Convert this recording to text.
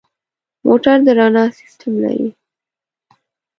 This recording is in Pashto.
موټر د رڼا سیستم لري.